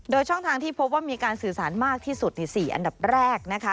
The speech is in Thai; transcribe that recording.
โดยช่องทางที่พบว่ามีการสื่อสารมากที่สุด๔อันดับแรกนะคะ